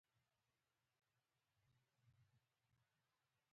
هغې د روښانه باران په اړه خوږه موسکا هم وکړه.